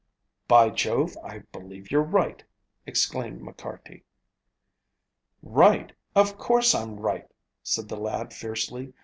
"By Jove, I believe you're right," exclaimed McCarty. "Right, of course I'm right," said the lad fiercely.